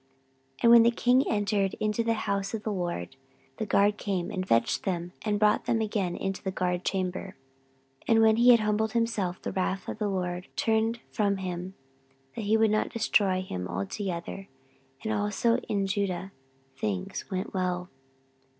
14:012:011 And when the king entered into the house of the LORD, the guard came and fetched them, and brought them again into the guard chamber. 14:012:012 And when he humbled himself, the wrath of the LORD turned from him, that he would not destroy him altogether: and also in Judah things went well.